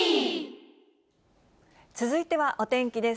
続いてはお天気です。